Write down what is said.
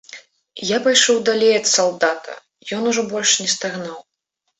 Я пайшоў далей ад салдата, ён ужо больш не стагнаў.